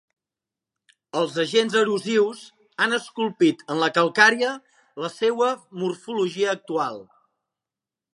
Els agents erosius han esculpit en la calcària la seua morfologia actual.